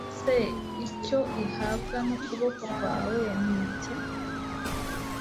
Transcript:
se icyo ihabwa n ukuboko kwawe ni iki